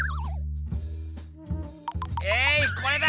えいこれだ！